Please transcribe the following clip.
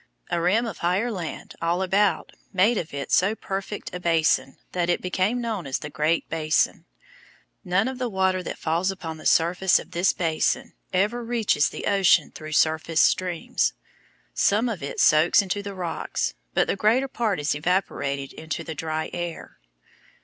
A rim of higher land all about made of it so perfect a basin that it became known as the Great Basin. None of the water that falls upon the surface of this basin ever reaches the ocean through surface streams. Some of it soaks into the rocks, but the greater part is evaporated into the dry air.